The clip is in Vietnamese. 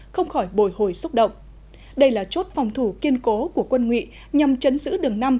không khỏi bồi hồi xúc động đây là chốt phòng thủ kiên cố của quân nguyện nhằm chấn giữ đường năm